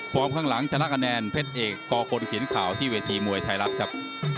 พร้อมข้างหลังชนะคะแนนเพศเอกกคลินข่าวที่เวทีมวยไทยรัฐครับ